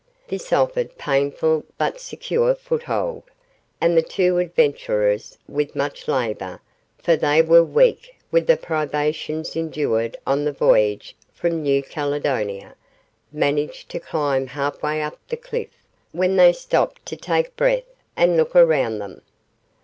This offered painful but secure foothold, and the two adventurers, with much labour for they were weak with the privations endured on the voyage from New Caledonia managed to climb half way up the cliff, when they stopped to take breath and look around them.